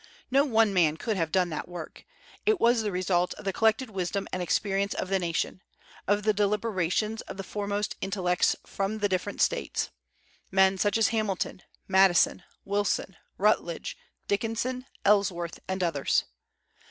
No one man could have done that work; it was the result of the collected wisdom and experience of the nation, of the deliberations of the foremost intellects from the different States, such men as Hamilton, Madison, Wilson, Rutledge, Dickinson, Ellsworth, and others.